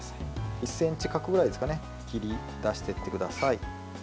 １ｃｍ角くらいですかね切り出してってください。